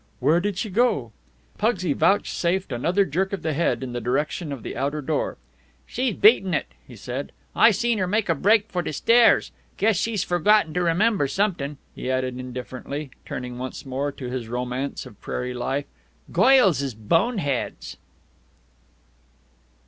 "Where did she go?" Pugsy vouchsafed another jerk of the head, in the direction of the outer door. "She's beaten it," he said. "I seen her make a break for de stairs. Guess she's forgotten to remember somet'ing," he added indifferently, turning once more to his romance of prairie life. "Goils is bone heads."